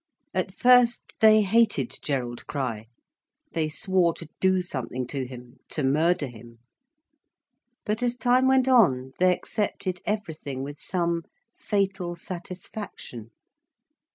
At first they hated Gerald Crich, they swore to do something to him, to murder him. But as time went on, they accepted everything with some fatal satisfaction.